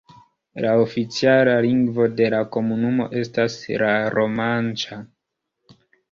La oficiala lingvo de la komunumo estas la romanĉa.